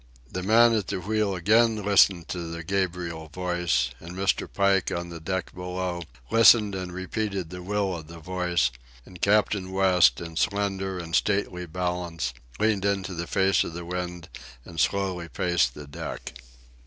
The man at the wheel again listened to the Gabriel voice; and Mr. Pike, on the deck below, listened and repeated the will of the voice; and Captain West, in slender and stately balance, leaned into the face of the wind and slowly paced the deck.